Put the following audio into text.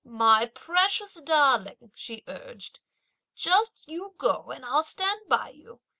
"My precious darling" she urged, "just you go, and I'll stand by you!